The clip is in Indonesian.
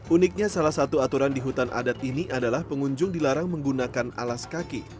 uniknya salah satu aturan di hutan adat ini adalah pengunjung dilarang menggunakan alas kaki